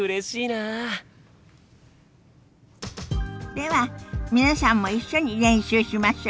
では皆さんも一緒に練習しましょ。